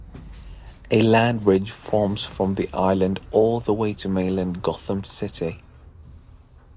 A land-bridge forms from the island all the way to mainland Gotham City.